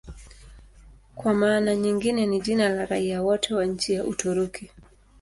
Kwa maana nyingine ni jina la raia wote wa nchi ya Uturuki.